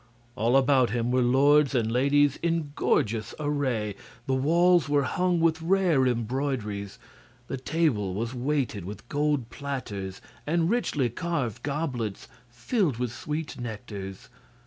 All about him were lords and ladies in gorgeous array; the walls were hung with rare embroideries; the table was weighted with gold platters and richly carved goblets filled with sweet nectars.